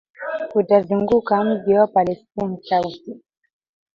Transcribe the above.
atazunguka mji wa palestina southi